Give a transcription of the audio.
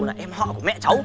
cậu là em họ của mẹ cháu